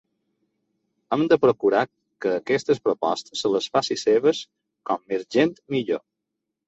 Hem de procurar que aquestes propostes se les faci seves com més gent millor.